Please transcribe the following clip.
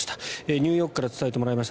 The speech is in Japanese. ニューヨークから伝えてもらいました。